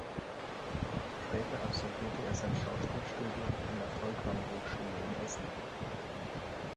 Später absolvierte er sein Schauspielstudium an der Folkwang Hochschule in Essen.